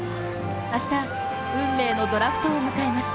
明日、運命のドラフトを迎えます。